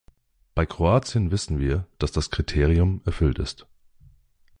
Bei Kroatien wissen wir, dass das Kriterium erfüllt ist.